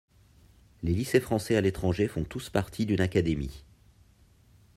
Les lycées français à l'étranger font tous partie d'une académie.